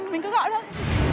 mình cứ gọi thôi